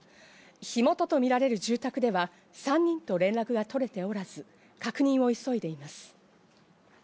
火元とみられる住宅では３人と連絡が取れておらず、確認を急いでいます。